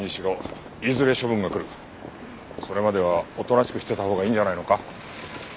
それまではおとなしくしてたほうがいいんじゃないのか？